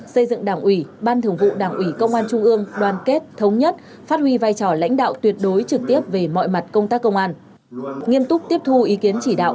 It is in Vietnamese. xây dựng đảng ủy ban thường vụ đảng ủy công an trung ương đoàn kết thống nhất phát huy vai trò lãnh đạo tuyệt đối trực tiếp về mọi mặt công tác công an